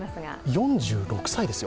４６歳ですよ。